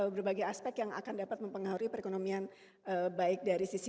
berbagai aspek yang akan dapat mempengaruhi perekonomian baik dari sisi